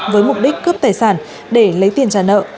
với mục đích cướp tài sản để lấy tiền trả nợ